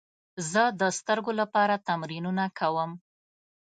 زه د سترګو لپاره تمرینونه کوم.